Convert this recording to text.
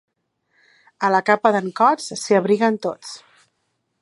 A la capa d'en Cots s'hi abriguen tots.